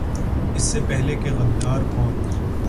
اس سے پہلے کہ "غدار کون؟